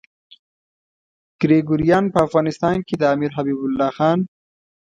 ګریګوریان په افغانستان کې د امیر حبیب الله خان.